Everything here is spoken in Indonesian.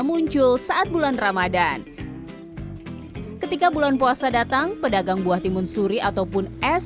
muncul saat bulan ramadhan ketika bulan puasa datang pedagang buah timun suri ataupun es